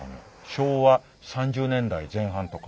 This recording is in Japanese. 昭和３０年代前半とか。